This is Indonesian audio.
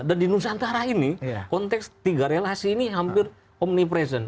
dan di nusantara ini konteks tiga relasi ini hampir omnipresent